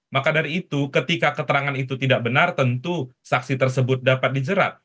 maka dari itu ketika keterangan itu tidak benar tentu saksi tersebut dapat dijerat